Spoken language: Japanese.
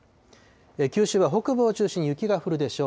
九州は北部を中心に雪が降るでしょう。